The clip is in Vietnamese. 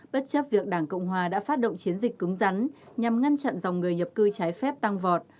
bất chấp việc đảng cộng hòa đã phát động chiến dịch cứng rắn nhằm ngăn chặn dòng người nhập cư trái phép tăng vọt